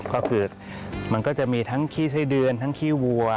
ก็คือมันก็จะมีทั้งขี้ไส้เดือนทั้งขี้วัว